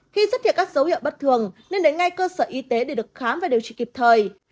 khi xuất hiện các dấu hiệu bất thường nên đến ngay cơ sở y tế để được khám và điều trị kịp thời